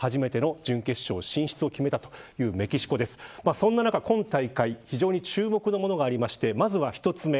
そんな中、今大会非常に注目のものがありましてまずは１つ目。